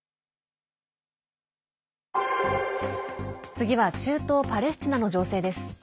次は中東パレスチナの情勢です。